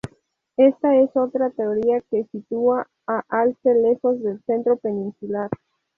Esta es otra teoría que sitúa a Alce lejos del centro peninsular.